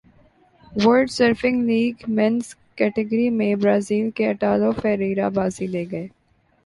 world surfing league men's category میں Brazil کے Italo Ferreira بازی لے گئے